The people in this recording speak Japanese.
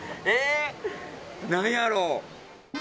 何やろう。